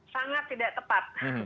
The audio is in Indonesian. sangat tidak tepat